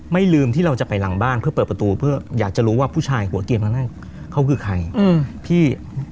ลืมที่เราจะไปหลังบ้านเพื่อเปิดประตูเพื่ออยากจะรู้ว่าผู้ชายหัวเกียงคนแรกเขาคือใครอืมพี่